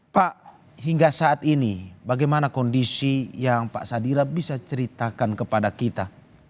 pak hingga saat ini bagaimana kondisi yang pak sadira bisa ceritakan kepada kita